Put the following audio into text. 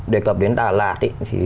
đề cập đến đà lạt thì